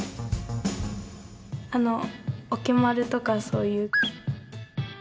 あの「おけまる」とかそういう。